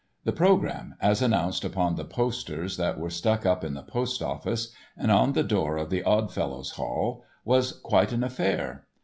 The programme, as announced upon the posters that were stuck up in the Post Office and on the door of the Odd Fellows' Hall, was quite an affair.